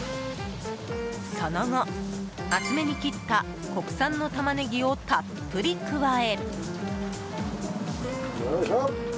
その後、厚めに切った国産のタマネギをたっぷり加え。